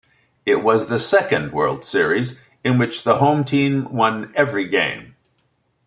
It was the second World Series in which the home team won every game.